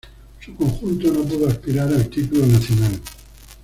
Su conjunto no pudo aspirar al título nacional.